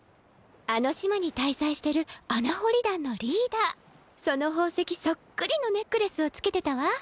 あの島に滞在してる穴掘り団のリーダーその宝石そっくりのネックレスを着けてたわ。